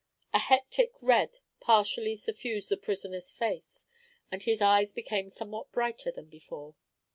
A hectic red partially suffused the prisoner's face, and his eyes became somewhat brighter than before.